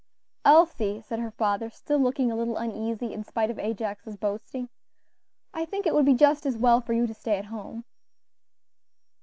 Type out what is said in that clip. "Elsie," said her father, still looking a little uneasy, in spite of Ajax's boasting, "I think it would be just as well for you to stay at home."